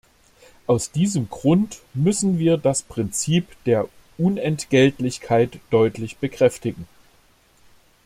Aus diesem Grund müssen wir das Prinzip der Unentgeltlichkeit deutlich bekräftigen.